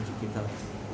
phát triển sớm